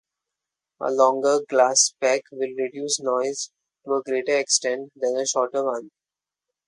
A longer glasspack will reduce noise to a greater extent than a shorter one.